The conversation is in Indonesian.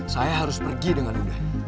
saya harus pergi dengan mudah